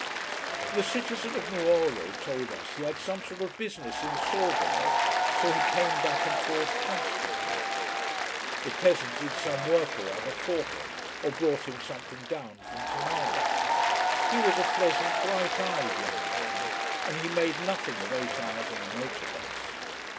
The citizen of Nuoro told us he had some sort of business in Sorgono, so he came back and forth constantly. The peasant did some work or other for him or brought him something down from Tonara. He was a pleasant, bright eyed young man, and he made nothing of eight hours in a motor bus.